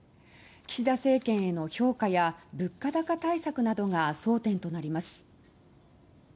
岸田政権への評価や物価高対策などが争点となります。